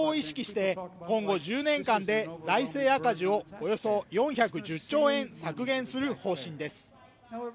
今後１０年間で財政赤字をおよそ４１０兆円削減する方針です